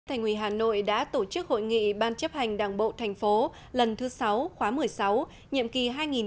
bí thư thành quỳ hà nội đã tổ chức hội nghị ban chấp hành đảng bộ thành phố lần thứ sáu khóa một mươi sáu nhiệm kỳ hai nghìn một mươi năm hai nghìn hai mươi